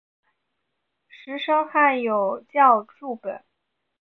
石声汉有校注本。